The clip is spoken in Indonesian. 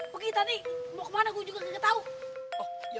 pergi tadi mau kemana gua juga gak ketahuan